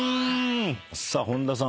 さあ本田さん